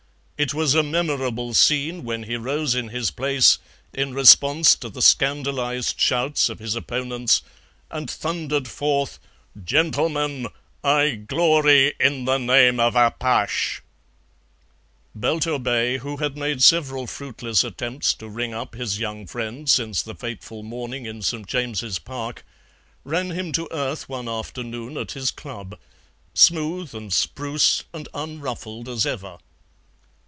It was a memorable scene when he rose in his place, in response to the scandalized shouts of his opponents, and thundered forth, "Gentlemen, I glory in the name of Apache." Belturbet, who had made several fruitless attempts to ring up his young friend since the fateful morning in St. James's Park, ran him to earth one afternoon at his club, smooth and spruce and unruffled as ever.